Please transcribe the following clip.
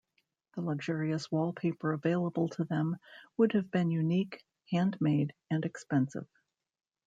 The luxurious wallpaper available to them would have been unique, handmade, and expensive.